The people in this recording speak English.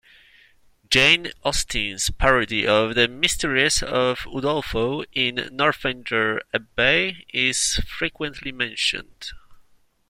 Jane Austen's parody of "The Mysteries of Udolpho" in "Northanger Abbey" is frequently mentioned.